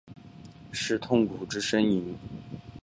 是痛苦之呻吟？